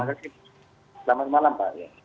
selamat malam pak